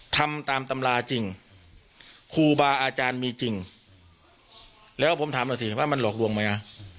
ทำตามตำราจริงครูบาอาจารย์มีจริงแล้วผมถามหน่อยสิว่ามันหลอกลวงไหมฮะ